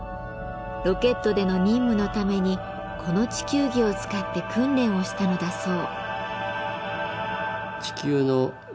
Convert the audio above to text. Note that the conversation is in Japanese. ロケットでの任務のためにこの地球儀を使って訓練をしたのだそう。